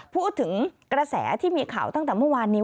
พูดถึงกระแสที่มีข่าวตั้งแต่เมื่อวานนี้